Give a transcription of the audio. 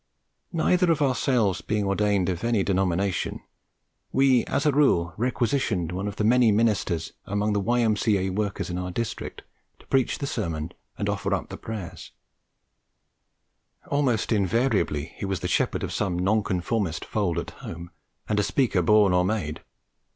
Neither of ourselves being ordained of any denomination, we as a rule requisitioned one of the many ministers among the Y.M.C.A. workers in our district to preach the sermon and offer up the prayers: almost invariably he was the shepherd of some Nonconformist fold at home, and a speaker born or made.